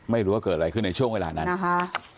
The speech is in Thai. ไม่รู้ว่าเกิดอะไรขึ้นในช่วงเวลานั้นนะคะ